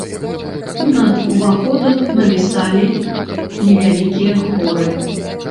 Над уваходам навісалі невялікія хоры.